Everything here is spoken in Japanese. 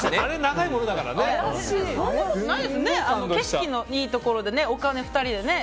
景色のいいところで２人で。